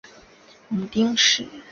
母丁氏。